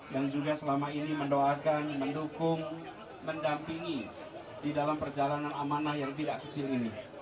yang juga selama ini mendoakan mendukung mendampingi di dalam perjalanan amanah yang tidak kecil ini